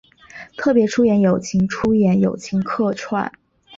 特别出演友情出演友情客串